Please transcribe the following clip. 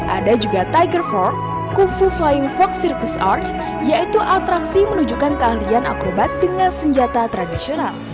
ada juga tiger empat kufu flying fox circus art yaitu atraksi menunjukkan keahlian akrobat dengan senjata tradisional